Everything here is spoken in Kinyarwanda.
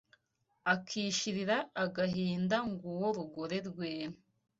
Akishirira agahinda Nguwo rugore rwera